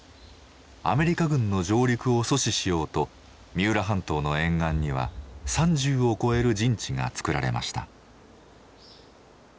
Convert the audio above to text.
アメリカ軍の上陸を阻止しようと三浦半島の沿岸には３０を超える陣地がつくられました。